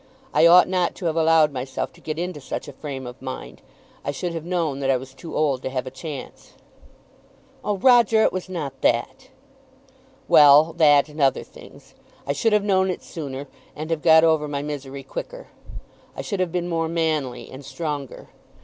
I ought not to have allowed myself to get into such a frame of mind. I should have known that I was too old to have a chance." "Oh, Roger, it was not that." "Well, that and other things. I should have known it sooner, and have got over my misery quicker. I should have been more manly and stronger.